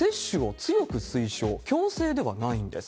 強制ではないんです。